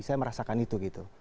saya merasakan itu gitu